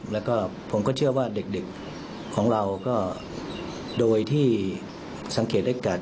แล้วก็ผมก็เชื่อว่าเด็กของเราก็โดยที่สังเกตได้จาก